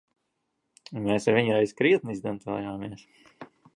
Mēs ar viņu reiz krietni izdancojāmies.